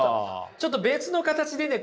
ちょっと別の形でね